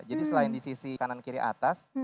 jadi selain di sisi kanan kiri atas